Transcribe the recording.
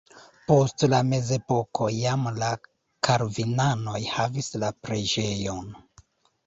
Post la mezepoko jam la kalvinanoj havis la preĝejon.